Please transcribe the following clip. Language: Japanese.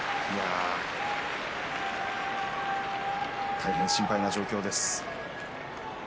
大変、心配な状況です。